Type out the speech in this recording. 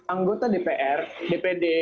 anggota dpr dpd